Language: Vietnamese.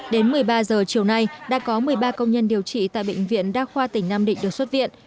đến một mươi ba giờ chiều nay đã có một mươi ba công nhân điều trị tại bệnh viện đa khoa tỉnh nam định được xuất viện